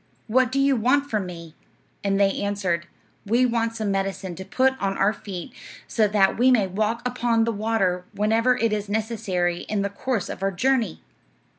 What do you want from me?' And they answered, 'We want some medicine to put on our feet, so that we may walk upon the water whenever it is necessary in the course of our journey.'